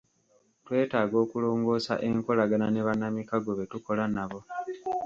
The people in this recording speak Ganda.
Twetaaga okulongoosa enkolagana ne bannamikago be tukola nabo.